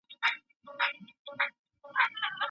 د لوی شر د مخنيوي لپاره د کوچنی شر غوره کول پکار دي.